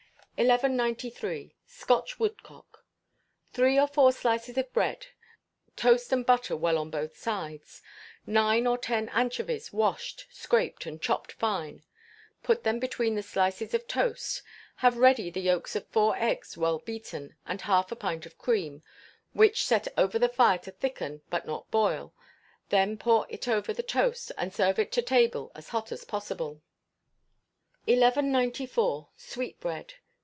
1193. Scotch Woodcock. Three or four slices of bread; toast and butter well on both sides, nine or ten anchovies washed, scraped, and chopped fine; put them between the slices of toast, have ready the yolks of four eggs well beaten, and half a pint of cream which set over the fire to thicken, but not boil, then pour it over the toast, and serve it to table as hot as possible. 1194. Sweetbread.